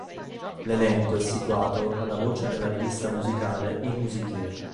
L'elenco è situato alla voce della rivista musicale Il Musichiere.